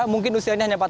mungkin usianya hanya pelan